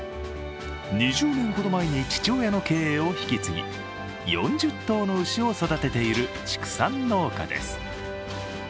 ２０年ほど前に父親の経営を引き継ぎ４０頭の牛を育てている畜産農家です。